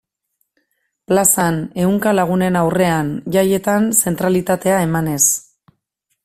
Plazan, ehunka lagunen aurrean, jaietan zentralitatea emanez.